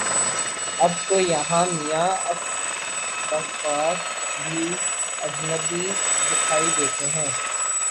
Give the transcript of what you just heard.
اب تویہاں میاں افتخار بھی اجنبی دکھائی دیتے ہیں۔